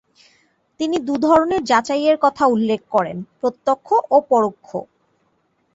তিনি দু’ধরনের যাচাইয়ের কথা উল্লেখ করেন: প্রত্যক্ষ ও পরোক্ষ।